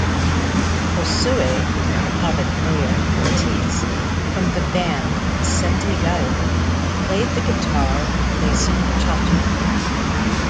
Josue "Hobbit mayor" Ortiz, from the band Vicente Gayo, played the guitar replacing Chato.